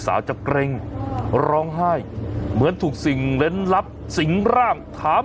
สาวจะเกร็งร้องไห้เหมือนถูกสิ่งเล่นลับสิงร่างถาม